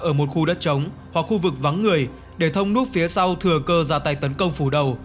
ở một khu đất trống hoặc khu vực vắng người để thông nút phía sau thừa cơ ra tay tấn công phủ đầu